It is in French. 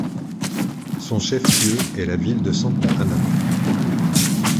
Son chef-lieu est la ville de Santa Ana.